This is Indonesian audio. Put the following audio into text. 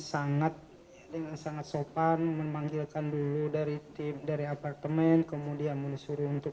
sangat dengan sangat sopan memanggilkan dulu dari tim dari apartemen kemudian disuruh untuk